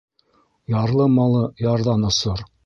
Ярлы малы ярҙан осор.